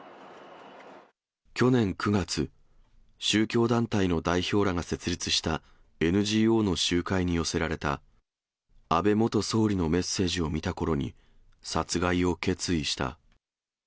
去年９月、宗教団体の代表らが設立したＮＧＯの集会に寄せられた安倍元総理のメッセージを見たころに、殺害を決意した。